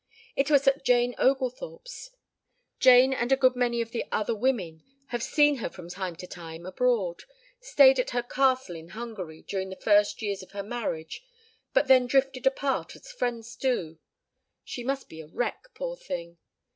It was at Jane Oglethorpe's. Jane and a good many of the other women have seen her from time to time abroad stayed at her castle in Hungary during the first years of her marriage; but they drifted apart as friends do. ... She must be a wreck, poor thing.